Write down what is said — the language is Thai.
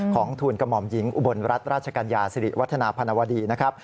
ทูลกระหม่อมหญิงอุบลรัฐราชกัญญาสิริวัฒนาพนวดีนะครับ